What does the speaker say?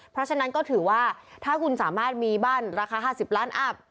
เพราะฉะนั้นก็ถือว่าถ้าคุณสามารถมีบ้านราคา๕๐ล้านอัพ